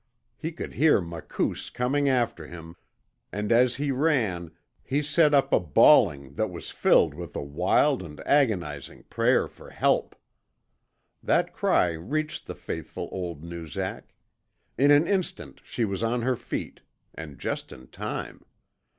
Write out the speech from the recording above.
He could hear Makoos coming after him, and as he ran he set up a bawling that was filled with a wild and agonizing prayer for help. That cry reached the faithful old Noozak. In an instant she was on her feet and just in time.